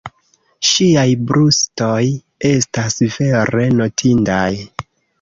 Ŝiaj brustoj estas vere notindaj.